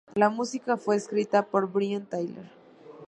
La música fue escrita por Brian Tyler.